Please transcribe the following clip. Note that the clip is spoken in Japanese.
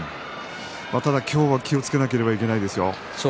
ただ今日は気をつけなければいけないですよ。